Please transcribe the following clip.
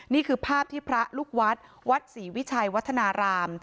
นี่คือภาพที่พระลูกวัดวัดศรีวิชัยวัฒนาราม